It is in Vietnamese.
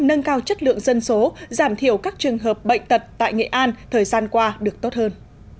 nâng cao chất lượng dân số giảm thiểu các trường hợp bệnh tật tại nghệ an thời gian qua được tốt hơn